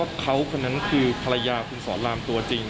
ว่าเขานั้นคือภรรยาคุณซ้อลลามตัวจริง